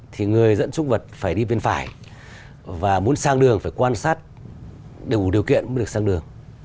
thì người dẫn trúc vật phải đi bên phải và muốn sang đường phải quan sát đủ điều kiện mới được sang đường